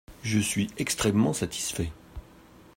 Je suis extrêmement satisfait.